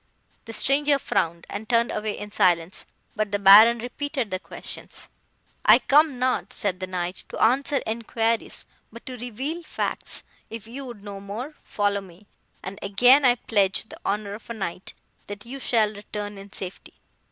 "The stranger frowned, and turned away in silence; but the Baron repeated the questions. "'I come not,' said the Knight, 'to answer enquiries, but to reveal facts. If you would know more, follow me, and again I pledge the honour of a Knight that you shall return in safety.